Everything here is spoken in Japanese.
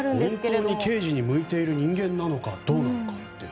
本当に刑事に向いている人間なのかどうか。